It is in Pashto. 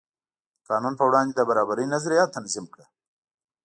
د قانون په وړاندې د برابرۍ نظریه تنظیم کړه.